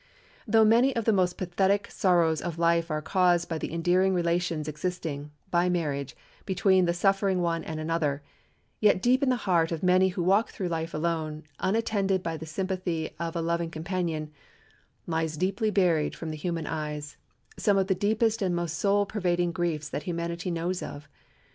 Though many of the most pathetic sorrows of life are caused by the endearing relations existing, by marriage, between the suffering one and another, yet deep in the heart of many who walk through life alone, unattended by the sympathy of a loving companion, "Lies Deeply buried from human eyes" some of the deepest and most soul pervading griefs that humanity knows of.